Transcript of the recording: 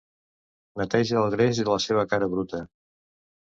Neteja el greix de la seva cara bruta.